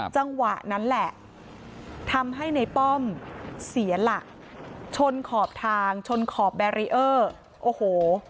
จังหวะนั้นแหละทำให้ในป้อมเสียหลักชนขอบทางชนขอบแบรีเออร์โอ้โห